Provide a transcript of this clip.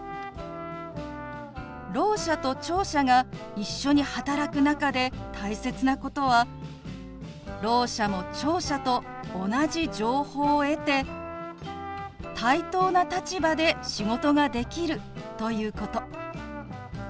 ろう者と聴者が一緒に働く中で大切なことはろう者も聴者と同じ情報を得て対等な立場で仕事ができるということ。